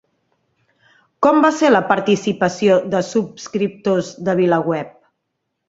Com va ser la participació de subscriptors de VilaWeb?